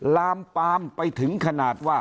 ลามปามไปถึงขนาดว่า